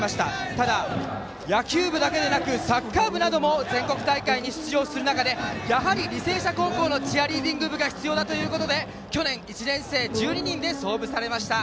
ただ、野球部だけでなくサッカー部なども全国大会に出場する中やはり履正社高校のチアリーディング部が必要だということで去年１年生１２人で創部されました。